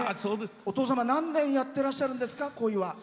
お父さんは何年やってらっしゃるんですか。